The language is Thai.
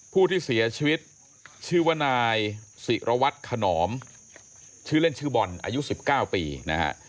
ผู้ที่เสียชีวิตชื่อว่านายศิรวัตรขนอมชื่อเล่นชื่อบอลอายุ๑๙ปีนะฮะ